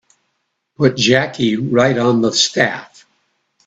Put Jackie right on the staff.